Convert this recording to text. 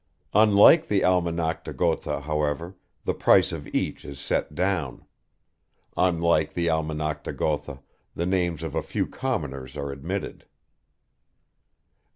Unlike the Almanach de Gotha, however, the price of each is set down. Unlike the Almanach de Gotha, the names of a few commoners are admitted.